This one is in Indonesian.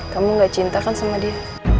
kamu gak cintakan sama dia